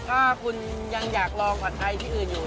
ถ้าคุณยังอยากลองผัดไทยที่อื่นอยู่